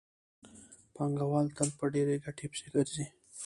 پانګوال تل په ډېرې ګټې پسې ګرځي